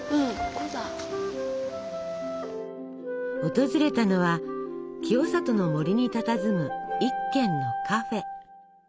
訪れたのは清里の森にたたずむ一軒のカフェ。